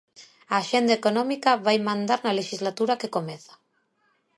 A axenda económica vai mandar na lexislatura que comeza.